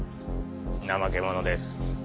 ナマケモノです。